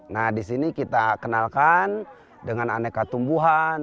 nah di sini kita kenalkan dengan aneka tumbuhan